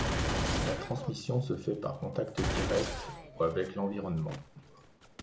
La transmission se fait par contact direct ou avec l'environnement.